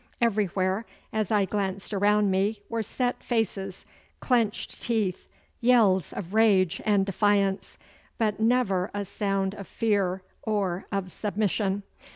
Everywhere as I glanced around me were set faces, clenched teeth, yells of rage and defiance, but never a sound of fear or of submission.